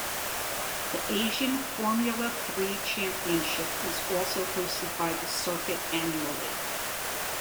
The Asian Formula Three Championship is also hosted by the circuit annually.